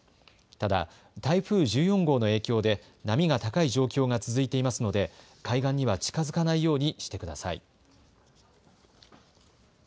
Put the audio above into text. ただ台風１４号の影響で波が高い状況が続いていますので海岸には近づかないようにしてください。